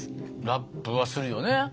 ラップはするよね？